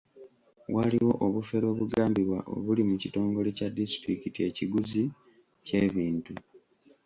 Waliwo obufere obugambibwa obuli mu kitongole kya disitulikiti ekiguzi ky'ebintu.